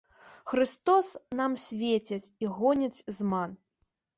Хрыстос нам свеціць і гоніць зман.